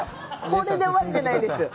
これで終わりじゃないんです！